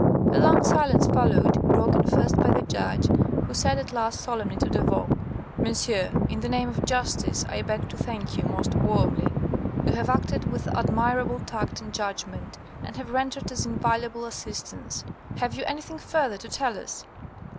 A long silence followed, broken first by the Judge, who said at last solemnly to Devaux: "Monsieur, in the name of justice I beg to thank you most warmly. You have acted with admirable tact and judgment, and have rendered us invaluable assistance. Have you anything further to tell us?"